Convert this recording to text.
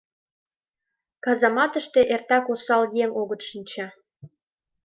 Казаматыште эртак осал еҥ огыт шинче...